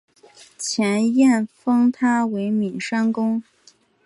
前燕封他为岷山公。